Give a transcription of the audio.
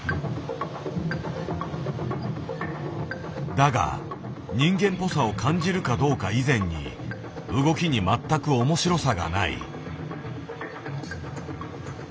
だが人間っぽさを感じるかどうか以前に動きに全く面白さがない。